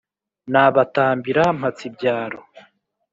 nabatambira mpatsibyaro.